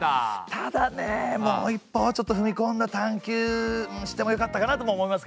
ただねえもう一歩ちょっとふみこんだ探究してもよかったかなとも思いますけれどもね。